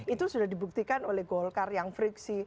itu sudah dibuktikan oleh golkar yang friksi